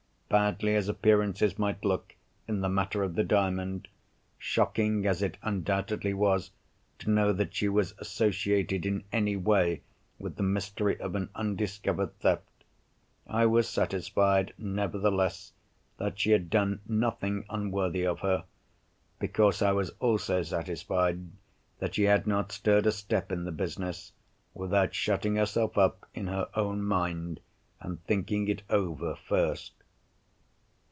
Badly as appearances might look, in the matter of the Diamond—shocking as it undoubtedly was to know that she was associated in any way with the mystery of an undiscovered theft—I was satisfied nevertheless that she had done nothing unworthy of her, because I was also satisfied that she had not stirred a step in the business, without shutting herself up in her own mind, and thinking it over first.